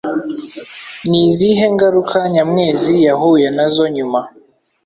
Ni izihe ngaruka Nyamwezi yahuye na zo nyuma